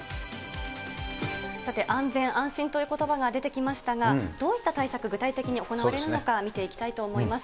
さて、安全安心ということばが出てきましたが、どういった対策、具体的に行われるのか、見ていきたいと思います。